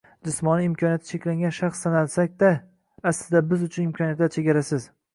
Jismoniy imkoniyati cheklangan shaxs sanalsak-da, aslida, biz uchun imkoniyatlar chegarasiz.